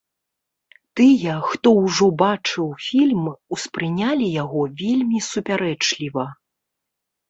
Тыя, хто ўжо бачыў фільм, успрынялі яго вельмі супярэчліва.